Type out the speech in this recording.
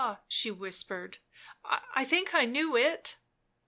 she whispered. "I think I knew it."